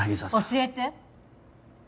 教えて。